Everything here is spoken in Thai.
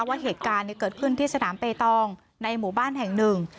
ว่าเหตุการณ์เกิดขึ้นที่สนามเปตองในหมู่บ้านแห่งหนึ่ง